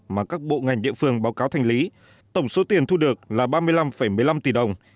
mà các bộ ngành địa phương báo cáo thành lý tổng số tiền thu được là ba mươi năm một mươi năm tỷ đồng